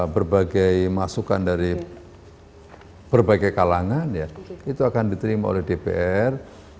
berbagai masukan dari berbagai kalangan ya itu akan diterima oleh dpr